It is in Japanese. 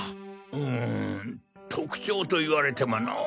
うん特徴と言われてものォ。